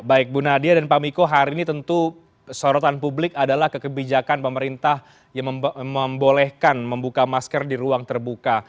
baik bu nadia dan pak miko hari ini tentu sorotan publik adalah kekebijakan pemerintah yang membolehkan membuka masker di ruang terbuka